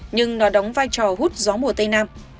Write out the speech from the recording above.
nhưng nó đóng vai trò hút gió mùa tây nam